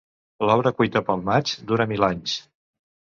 L'obra cuita pel maig dura mil anys.